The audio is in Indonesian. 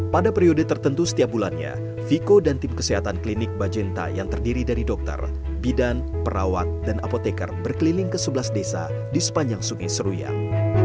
pada periode tertentu setiap bulannya viko dan tim kesehatan klinik bajenta yang terdiri dari dokter bidan perawat dan apotekar berkeliling ke sebelas desa di sepanjang sungai seruyat